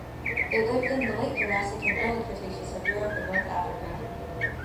It lived in the Late Jurassic and Early Cretaceous of Europe and North Africa.